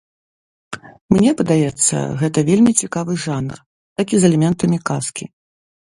Мне падаецца, гэта вельмі цікавы жанр, такі з элементамі казкі.